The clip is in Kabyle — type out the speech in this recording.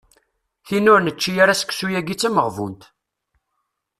Tin ur nečči ara seksu-yagi d tameɣbunt.